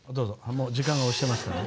もう時間が押してましたね。